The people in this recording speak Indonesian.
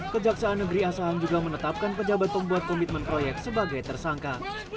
kejaksaan negeri asahan juga menetapkan pejabat pembuat komitmen proyek sebagai tersangka